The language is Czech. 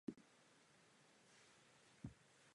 Zanechal po sobě vdovu a sedm dětí.